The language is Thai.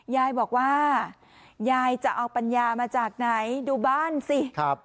ยายบอกว่ายายจะเอาปัญญามาจากไหนดูบ้านสิครับ